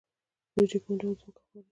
وریجې کوم ډول ځمکه غواړي؟